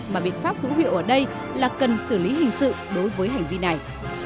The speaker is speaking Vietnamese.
mà biện pháp hữu hiệu ở đây là cần xử lý hình sự đối với hành vi này